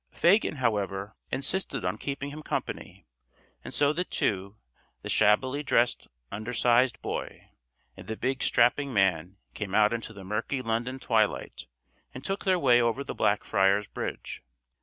Fagin, however, insisted on keeping him company, and so the two, the shabbily dressed undersized boy, and the big strapping man came out into the murky London twilight and took their way over the Blackfriars Bridge.